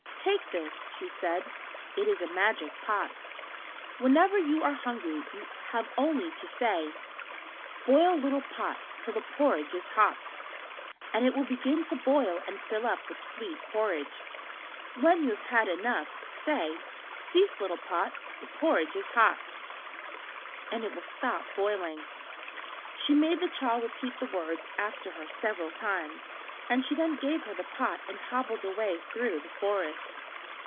"Take this," she said. "It is a magic pot. Whenever you are hungry you have only to say— "'Boil little pot Till the porridge is hot,' and it will begin to boil and fill up with sweet porridge. When you have had enough say— "'Cease little pot, The porridge is hot,' and it will stop boiling." She made the child repeat the words after her several times, and she then gave her the pot and hobbled away through the forest.